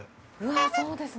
そうですね。